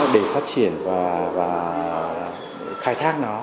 nó để phát triển và khai thác nó